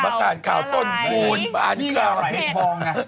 บ้านขาวต้นบูรณ์นี่ลลายทองมะ